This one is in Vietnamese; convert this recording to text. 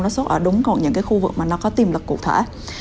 nó sốt ở đúng một những cái khu vực mà nó có tiềm lực cụ thể